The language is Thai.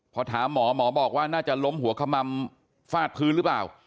พอถามหมอหมอบอกว่าน่าจะล้มหัวขมัมฟาดพื้นหรือเปล่า